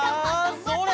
それ！